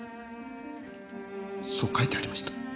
そう書いてありました。